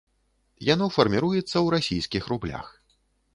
Яно фарміруецца ў расійскіх рублях.